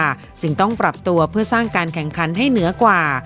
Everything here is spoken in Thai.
จึงต้องปรับตัวเพื่อสร้างการแข่งขันให้เหนือกว่า